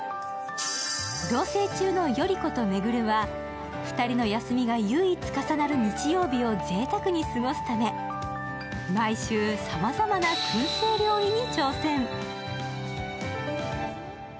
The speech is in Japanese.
同棲中の頼子と巡は２人の休みが唯一重なる日曜日をぜいたくに過ごすため毎週、さまざまなくん製料理に挑戦